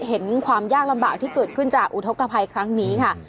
เห็นความยากลำบากที่เกิดขึ้นจากอุทธกภัยครั้งนี้ค่ะ